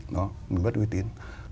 đó mình bất uy tín